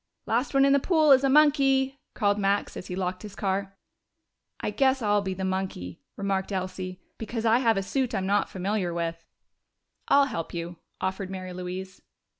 "Last one in the pool is a monkey!" called Max, as he locked his car. "I guess I'll be the monkey," remarked Elsie. "Because I have a suit I'm not familiar with." "I'll help you," offered Mary Louise.